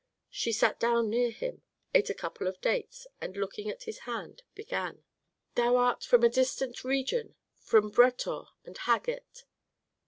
She sat down near him, ate a couple of dates, and looking at his hand began, "Thou art from a distant region, from Bretor and Hagit.